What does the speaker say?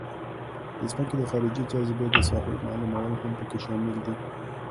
د ځمکې د خارجي جاذبې د ساحې معلومول هم پکې شامل دي